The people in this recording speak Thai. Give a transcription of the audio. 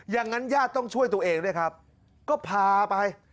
อย่างนั้นญาติต้องช่วยตัวเองด้วยครับก็พาไป